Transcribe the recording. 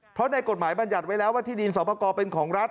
เพราะในกฎหมายบรรยัติไว้แล้วว่าที่ดินสอบประกอบเป็นของรัฐ